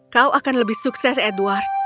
kau akan lebih sukses edward